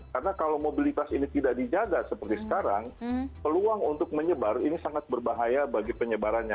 karena kalau mobilitas ini tidak dijaga seperti sekarang peluang untuk menyebar ini sangat berbahaya bagi penyebarannya